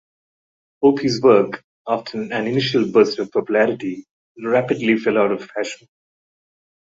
Opie's work, after an initial burst of popularity, rapidly fell out of fashion.